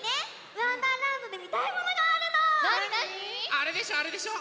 あれでしょあれでしょ